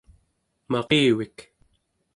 maqivik